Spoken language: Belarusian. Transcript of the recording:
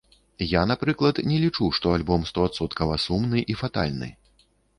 Я, напрыклад, не лічу, што альбом стоадсоткава сумны і фатальны.